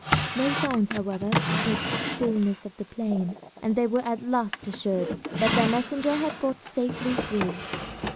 No sounds, however, broke the stillness of the plain, and they were at last assured that their messenger had got safely through.